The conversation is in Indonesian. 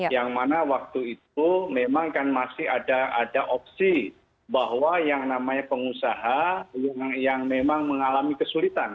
yang mana waktu itu memang kan masih ada opsi bahwa yang namanya pengusaha yang memang mengalami kesulitan